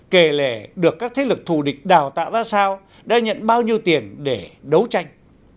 kề lệ được các thế lực thù địch đào tạo ra sao đã nhận bao nhiêu tiền để đấu tranh